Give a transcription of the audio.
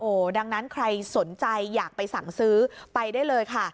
ดังนั้นใครสนใจอยากไปสั่งซื้อไปได้เลยค่ะ